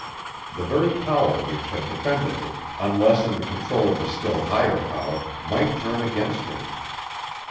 The very power which had defended her, unless in the control of a still higher power, might turn against her.